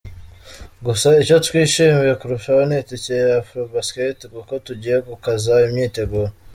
Gusa icyo twishimiye kurushaho ni itike ya AfroBasket kuko tugiye gukaza imyiteguro.